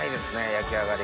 焼き上がり。